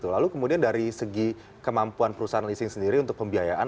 lalu kemudian dari segi kemampuan perusahaan leasing sendiri untuk pembiayaan